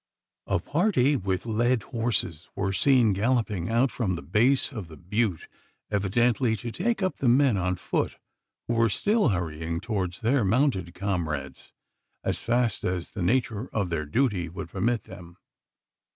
A party with led horses were seen galloping out from the base of the butte, evidently to take up the men on foot who were still hurrying towards their mounted comrades, as fast as the nature of their duty would permit them.